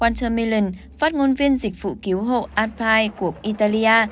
walter millen phát ngôn viên dịch vụ cứu hộ alpine của italia